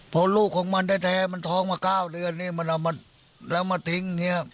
เพราะลูกของมันได้แท้มันท้องมา๙เดือนนี้มันเอามาทิ้งเนี่ย